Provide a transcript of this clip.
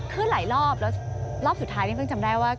ขึ้นหลายรอบแล้วรอบสุดท้ายนี่เพิ่งจำได้ว่า